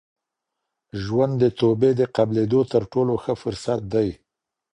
ژوند د توبې د قبلېدو تر ټولو ښه فرصت دی.